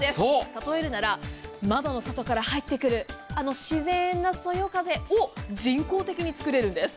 例えるなら窓の外から入ってくるあの自然なそよ風を人工的に作れるんです。